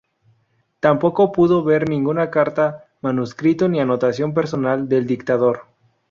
Tampoco pudo ver ninguna carta, manuscrito ni anotación personal del dictador.